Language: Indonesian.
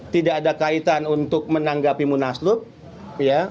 tidak ada kaitan untuk menanggapi munaslup ya